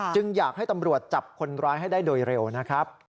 อยากให้ตำรวจจับคนร้ายให้ได้โดยเร็วนะครับ